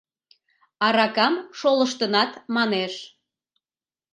Аракам шолыштынат, манеш.